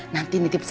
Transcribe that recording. nanti nitip satu ya